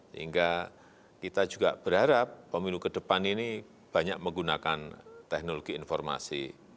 sehingga kita juga berharap pemilu ke depan ini banyak menggunakan teknologi informasi